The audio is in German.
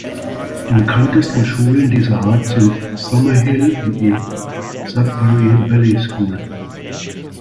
Die bekanntesten Schulen dieser Art sind Summerhill und die Sudbury Valley School.